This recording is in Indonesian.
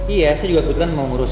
iya saya juga kebetulan mau ngurus